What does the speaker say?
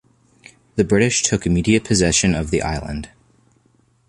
The British took immediate possession of the island.